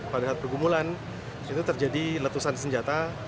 pada saat pergumulan itu terjadi letusan senjata